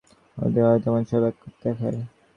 সত্যজ্ঞানের উদয় হইলে উহা অন্তর্হিত হয়, তখন সব এক দেখায়।